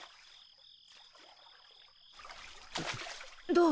どう？